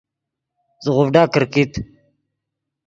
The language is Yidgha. زیغوڤڈا کرکیت